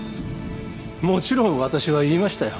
もちろん私は言いましたよ。